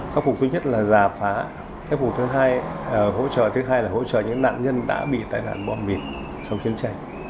khắc phục thứ nhất là gia phá khắc phục thứ hai là hỗ trợ những nạn nhân đã bị tai nạn bom mìn trong chiến tranh